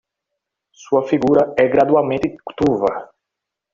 Sua figura é gradualmente turva